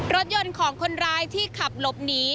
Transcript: รถยนต์ของคนร้ายที่ขับหลบหนี